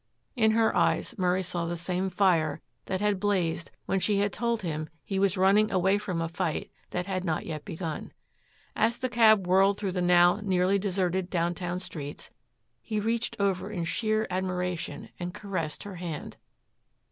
In her eyes Murray saw the same fire that had blazed when she had told him he was running away from a fight that had not yet begun. As the cab whirled through the now nearly deserted downtown streets, he reached over in sheer admiration and caressed her hand.